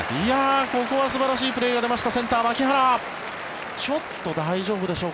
ここは素晴らしいプレーが出ました